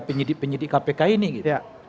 penyidik penyidik kpk ini gitu